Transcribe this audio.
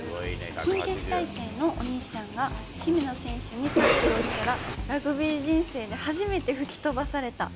キン消し体形のお兄ちゃんが、姫野選手にタックルをしたら、ラグビー人生で初めて吹き飛ばされた。